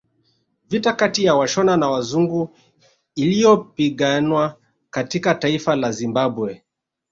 Vita kati ya Washona na wazungu iliyopiganwa katika taifa la Zimbabwe